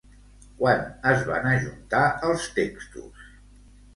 Quan es van ajuntar els textos?